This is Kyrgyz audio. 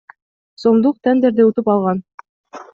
сомдук тендерди утуп алган.